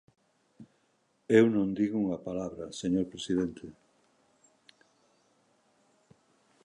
Eu non din unha palabra, señor presidente.